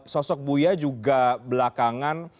sosok buya juga belakangan